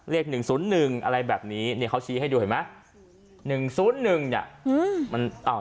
เลข๑๐๑อะไรแบบนี้เขาชี้ให้ดูเห็นไหม๑๐๑เนี่ย